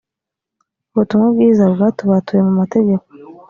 ubutumwa bwiza bwatubatuye mu mategeko